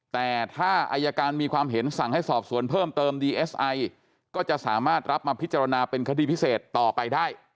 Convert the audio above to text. แต่ถ้าอายการมีความเห็นสั่งให้สอบสวนเพิ่มเติมดีเอสไอก็จะสามารถรับมาพิจารณาเป็นคดีพิเศษต่อไปได้